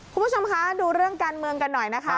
คุณผู้ชมคะดูเรื่องการเมืองกันหน่อยนะคะ